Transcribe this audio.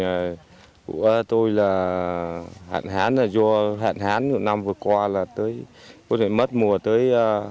ví dụ tôi là hạn hán do hạn hán năm vừa qua là có thể mất mùa tới năm mươi